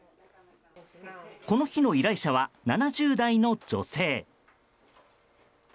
この日の依頼者は７０代の女性。